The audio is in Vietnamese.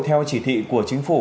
theo chỉ thị của chính phủ